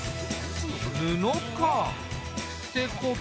布か。ってことは。